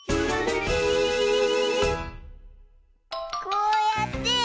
こうやって。